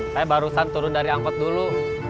saya barusan turun dari angkot dulu